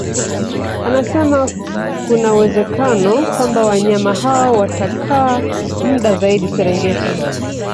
Anasema kuna uwezekano kwamba wanyama hao watakaa muda zaidi Serengeti